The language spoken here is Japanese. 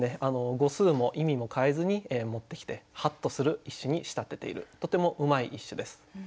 語数も意味も変えずに持ってきてハッとする一首に仕立てているとてもうまい一首です。